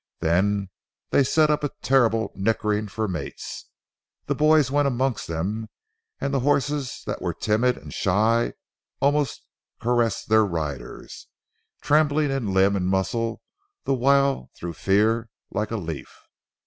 Then they set up a terrible nickering for mates. The boys went amongst them, and horses that were timid and shy almost caressed their riders, trembling in limb and muscle the while through fear, like a leaf.